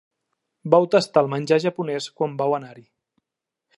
Vau tastar el menjar japonès quan vau anar-hi.